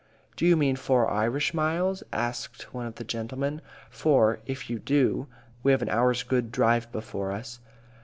"Do you mean four Irish miles?" asked one of the gentlemen. "For, if you do, we have an hour's good drive before us."